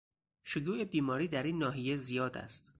شیوع بیماری در این ناحیه زیاد است.